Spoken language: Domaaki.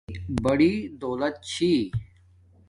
صفاݷݵ بڑی دولت چھی